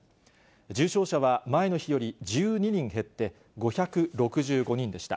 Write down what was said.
重症者は前の日より１２人減って、５６５人でした。